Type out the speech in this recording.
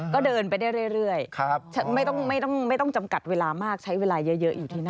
ก็เดินไปได้เรื่อยไม่ต้องจำกัดเวลามากใช้เวลาเยอะอยู่ที่นั่น